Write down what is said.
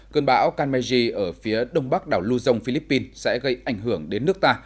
cơn bão kanmeji ở phía đông bắc đảo luzon philippines sẽ gây ảnh hưởng đến nước ta